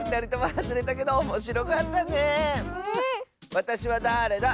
「わたしはだーれだ？」